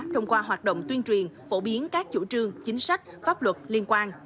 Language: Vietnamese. thông qua hoạt động tuyên truyền phổ biến các chủ trương chính sách pháp luật liên quan